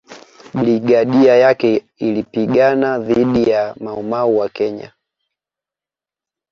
Brigadia yake ilipigana dhidi ya Mau Mau wa Kenya